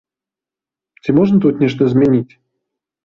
Ці можна тут нешта змяніць?